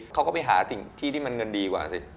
เขาก็ไปหาสิ่งที่ที่มันเงินดีกว่าสิ